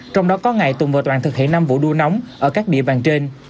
trong đó có ngày tuần vừa toàn thực hiện năm vụ đua nóng ở các địa bàn trên